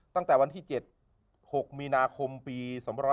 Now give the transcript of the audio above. ตั้งแต่วันที่๗๖มีนาคมปี๒๕๕๙